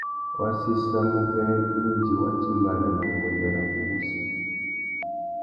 Wa séssamú being indi wa timbāna nà nguêndê rabú wussi.